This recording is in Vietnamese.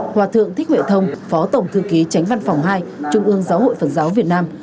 hòa thượng thích huệ thông phó tổng thư ký tránh văn phòng hai trung ương giáo hội phật giáo việt nam